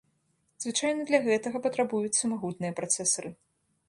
Звычайна для гэтага патрабуюцца магутныя працэсары.